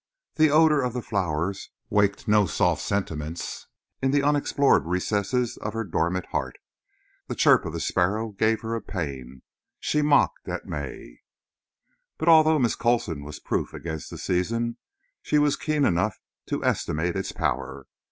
The odour of the flowers waked no soft sentiments in the unexplored recesses of her dormant heart. The chirp of the sparrows gave her a pain. She mocked at May. But although Miss Coulson was proof against the season, she was keen enough to estimate its power.